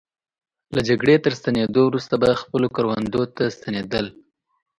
له جګړې تر ستنېدو وروسته به خپلو کروندو ته ستنېدل.